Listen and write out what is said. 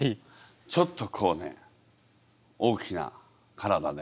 ちょっとこうね大きな体で。